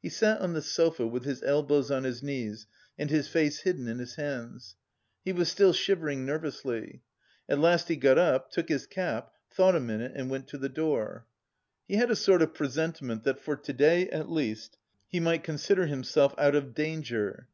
He sat on the sofa with his elbows on his knees and his face hidden in his hands. He was still shivering nervously. At last he got up, took his cap, thought a minute, and went to the door. He had a sort of presentiment that for to day, at least, he might consider himself out of danger.